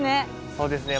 そうですね